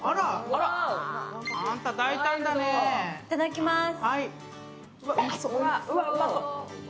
いただきます。